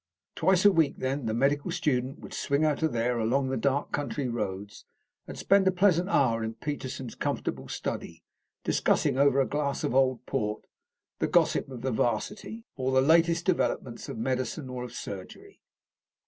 Twice a week, then, the medical student would swing out there along the dark country roads, and spend a pleasant hour in Peterson's comfortable study, discussing, over a glass of old port, the gossip of the 'varsity or the latest developments of medicine or of surgery.